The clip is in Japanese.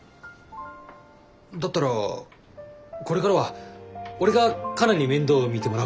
だったらこれからは俺がカナに面倒見てもらうか。